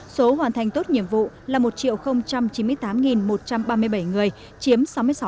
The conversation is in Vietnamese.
số hoàn thành tốt nhiệm vụ là một chín mươi tám một trăm ba mươi bảy người chiếm sáu mươi sáu một mươi năm